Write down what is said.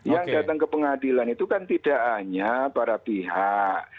yang datang ke pengadilan itu kan tidak hanya para pihak